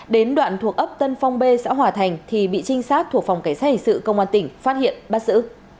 đến đoạn thuộc ấp tân phong b xã hòa thành thì bị trinh sát thuộc phòng cảnh sát hình sự công an tỉnh phát hiện bắt giữ